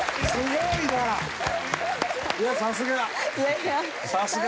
いやさすが！